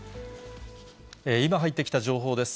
今入ってきた情報です。